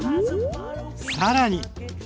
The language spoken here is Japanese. さらに！